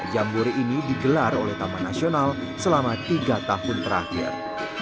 jambore ini digelar oleh taman nasional selama tiga tahun terakhir